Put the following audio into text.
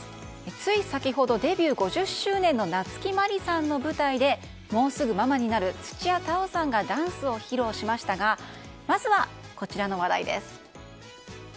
つい先ほど、デビュー５０周年の夏木マリさんの舞台でもうすぐママになる土屋太鳳さんがダンスを披露しましたがまずは、こちらの話題です。